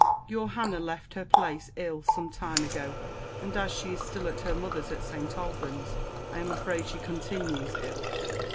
Your Hannah left her place ill some time ago! and, as she is still at her mother's at St. Alban's, I am afraid she continues ill.